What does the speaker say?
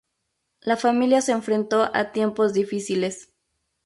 La familia se enfrentó a tiempos difíciles.